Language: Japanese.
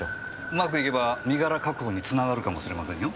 うまくいけば身柄確保につながるかもしれませんよ？